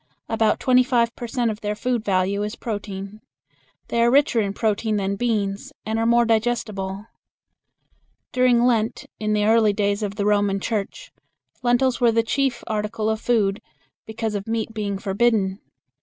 About twenty five per cent of their food value is protein. They are richer in protein than beans, and are more digestible. During Lent in the early days of the Roman Church, lentils were the chief article of food, because of meat being forbidden.